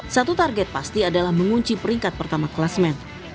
satu target pasti adalah mengunci peringkat pertama kelas men